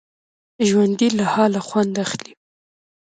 ژوندي له حاله خوند اخلي